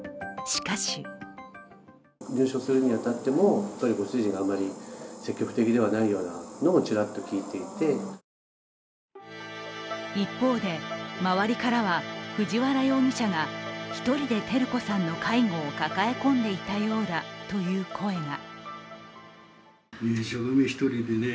しかし一方で、周りからは藤原容疑者が一人で照子さんの介護を抱え込んでいたようだという声が。